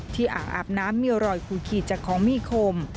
ที่อาบน้ำมีรอยคูกรีดจากข้องมี่คม